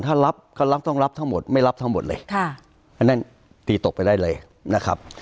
ถ้ารับก็รับต้องรับทั้งหมดไม่รับทั้งหมดเลยค่ะอันนั้นตีตกไปได้เลยนะครับ